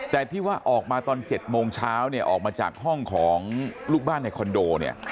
แต่ที่ว่าออกมาตอน๗โมงเช้าเนี่ยออกมาจากห้องของลูกบ้านในคอนโดเนี่ย